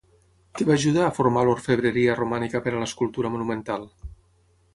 Què va ajudar a formar l'orfebreria romànica per a l'escultura monumental?